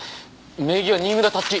名義は新村辰希。